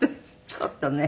ちょっとね。